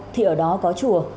thì ở đó có chùa